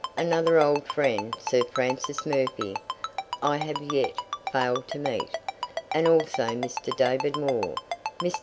Another old friend, Sir Francis Murphy, I have as yet failed to meet, and also Mr. David Moore. Mr.